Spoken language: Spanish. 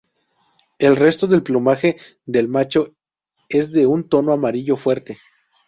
El resto del plumaje del macho es de un tono amarillo fuerte.